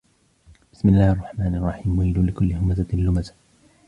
بسم الله الرحمن الرحيم ويل لكل همزة لمزة